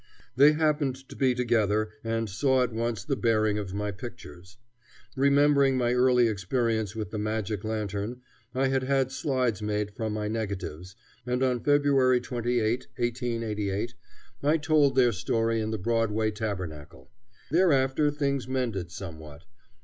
They happened to be together, and saw at once the bearing of my pictures. Remembering my early experience with the magic lantern, I had had slides made from my negatives, and on February 28, 1888, I told their story in the Broadway Tabernacle. Thereafter things mended somewhat.